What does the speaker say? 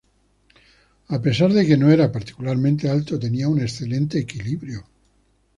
A pesar de que no era particularmente alto, tenía un excelente equilibrio.